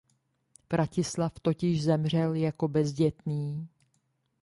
Vratislav totiž zemřel jako bezdětný.